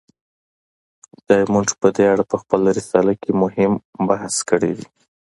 ډایمونډ په دې اړه په خپله رساله کې مهم بحث کړی دی.